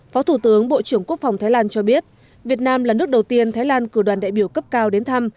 phó thủ tướng bộ trưởng quốc phòng thái lan cho biết việt nam là nước đầu tiên thái lan cử đoàn đại biểu cấp cao đến thăm